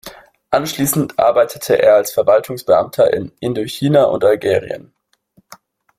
Anschließend arbeitete er als Verwaltungsbeamter in Indochina und Algerien.